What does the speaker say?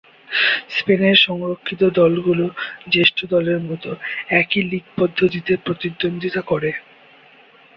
স্পেনের সংরক্ষিত দলগুলো জ্যেষ্ঠ দলের মতোই একই লীগ পদ্ধতিতে প্রতিদ্বন্দ্বিতা করে।